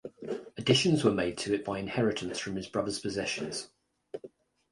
Additions were made to it by inheritance from his brother's possessions.